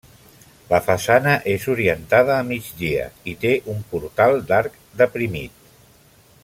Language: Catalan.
La façana és orientada a migdia i té un portal d'arc deprimit.